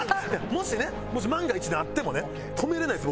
もしねもし万が一であってもね止められないです